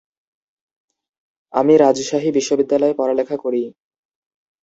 আমি রাজশাহী বিশ্ববিদ্যালয়ে পড়ালেখা করি।